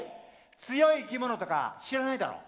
強いいきものとか知らないだろ。